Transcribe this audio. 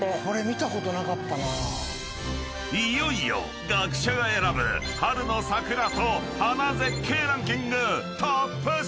［いよいよ学者が選ぶ春の桜と花絶景ランキングトップ３！］